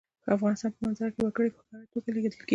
د افغانستان په منظره کې وګړي په ښکاره توګه لیدل کېږي.